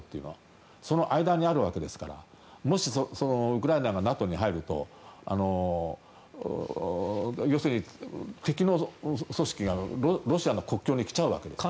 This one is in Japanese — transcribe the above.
その間にあるわけですからもし、ウクライナがＮＡＴＯに入ると要するに敵の組織がロシアの国境に来ちゃうわけです。